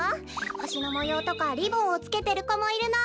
ほしのもようとかリボンをつけてるこもいるの。